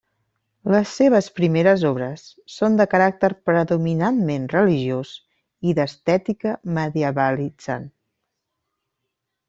Les seves primeres obres són de caràcter predominantment religiós i d'estètica medievalitzant.